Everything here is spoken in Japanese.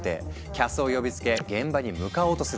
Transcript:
キャスを呼びつけ現場に向かおうとするんだ。